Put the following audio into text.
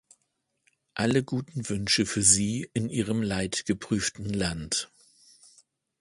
Alle guten Wünsche für Sie in Ihrem leidgeprüften Land.